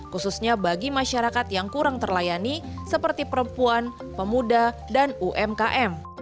khususnya bagi masyarakat yang kurang terlayani seperti perempuan pemuda dan umkm